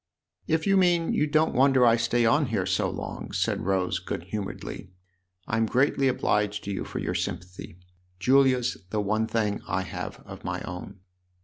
" If you mean you don't wonder I stay on here so long," said Rose good humouredly, " I'm greatly obliged to you for your sympathy. Julia's the one thing I have of my own."